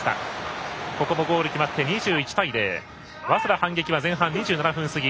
ここもゴール決まって２１対０。早稲田、反撃は前半２７分過ぎ。